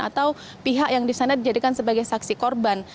atau pihak yang disana dijadikan sebagai saksi korban